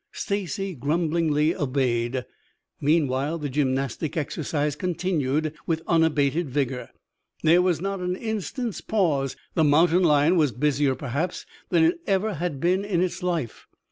Stacy grumblingly obeyed. Meanwhile the gymnastic exercise continued with unabated vigor. There was not an instant's pause. The mountain lion was busier perhaps than it ever had been in its life.